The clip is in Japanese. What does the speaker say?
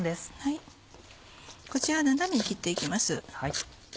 こちら斜めに切って行きます。